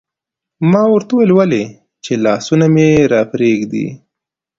ما ورته وویل: ولې؟ چې لاسونه مې راپرېږدي.